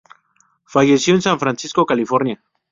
Falleció en San Francisco, California.